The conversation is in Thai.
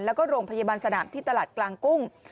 แล้วก็โรงพยาบาลสนามที่ตลาดกลางกุ้ง